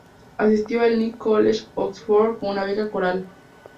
Asistió al New College, Oxford con una beca coral.